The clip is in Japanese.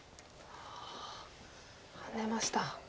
ハネました。